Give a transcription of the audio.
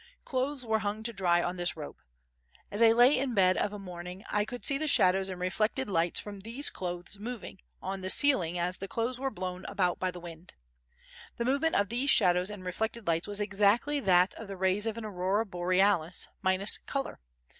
Clothes were hung to dry on this rope. As I lay in bed of a morning I could see the shadows and reflected lights from these clothes moving on the ceiling as the clothes were blown about by the wind. The movement of these shadows and reflected lights was exactly that of the rays of an Aurora Borealis, minus colour.